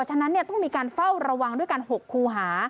ฉะนั้นต้องมีการเฝ้าระวังด้วยกัน๖คู่หา